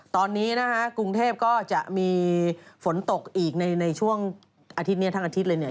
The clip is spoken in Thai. ตอนนี้นะฮะกรุงเทพก็จะมีฝนตกอีกในช่วงอาทิตย์เนี่ยทั้งอาทิตย์เลยเนี่ย